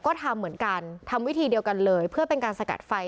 ก็ทำเหมือนกันทำวิธีเดียวกันเลยเพื่อเป็นการสกัดไฟ